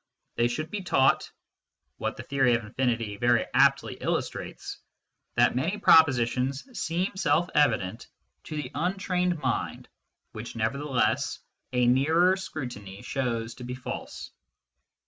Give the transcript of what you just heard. They should be taught 66 MYSTICISM AND LOGIC what the theory of infinity very aptly illustrates that many propositions seem self evident to the untrained mind which, nevertheless, a nearer scrutiny shows to be false.